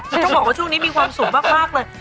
ต้องบอกว่าช่วงนี้มีความสุขมากเลย